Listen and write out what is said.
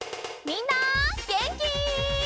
みんなげんき？